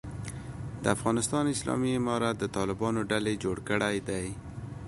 د افغانستان اسلامي امارت د طالبانو ډلې جوړ کړی دی.